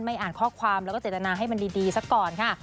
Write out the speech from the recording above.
อ่านข้อความแล้วก็เจตนาให้มันดีซะก่อนค่ะ